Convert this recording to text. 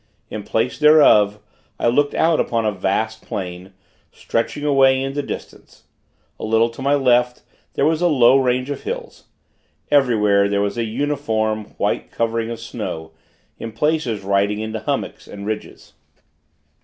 In place thereof, I looked out upon a vast plain, stretching away into distance. A little to my left, there was a low range of hills. Everywhere, there was a uniform, white covering of snow, in places rising into hummocks and ridges.